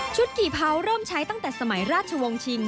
กี่เผาเริ่มใช้ตั้งแต่สมัยราชวงศ์ชิง